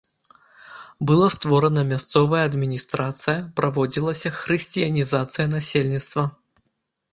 Была створана мясцовая адміністрацыя, праводзілася хрысціянізацыя насельніцтва.